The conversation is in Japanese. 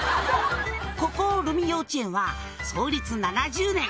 「ここルミ幼稚園は創立７０年」